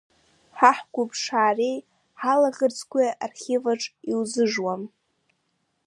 Ҳа ҳгәыԥшаареи ҳалаӷырӡқәеи архиваҿ иузжуам.